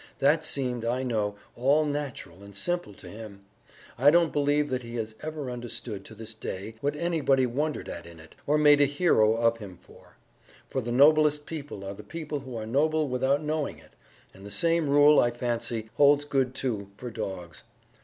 That seemed, I know, all natural and simple to him; I don't believe that he has ever understood to this day what anybody wondered at in it, or made a hero of him for. For the noblest people are the people who are noble without knowing it; and the same rule, I fancy, holds good, too, for dogs.